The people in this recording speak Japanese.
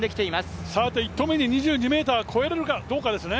さて１投目に２２ｍを越えられるかどうかですね。